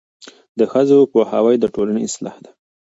د ښځو پوهاوی د ټولنې اصلاح ده.